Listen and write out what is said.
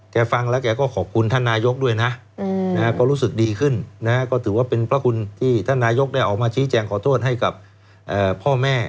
ฟังแล้วแกก็ขอบคุณท่านนายกด้วยนะก็รู้สึกดีขึ้นนะก็ถือว่าเป็นพระคุณที่ท่านนายกได้ออกมาชี้แจงขอโทษให้กับพ่อแม่